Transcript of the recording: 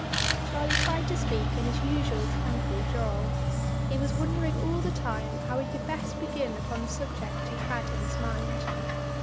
Charlie tried to speak in his usual tranquil drawl. He was wondering all the time how he could best begin upon the subject he had in his mind.